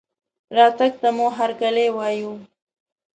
رتګ ته مو هرکلى وايو